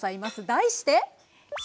題して。